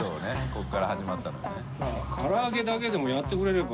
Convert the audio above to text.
ここから始まったのよね。